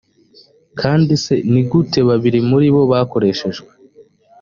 kandi se ni gute babiri muri bo bakoreshejwe